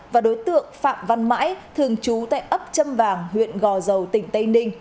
và đối tượng phạm văn mãi thường trú tại ấp châm vàng huyện gò dầu tỉnh tây ninh